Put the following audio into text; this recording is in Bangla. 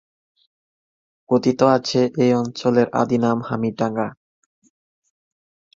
কথিত আছে, এই অঞ্চলের আদি নাম হামিরডাঙা।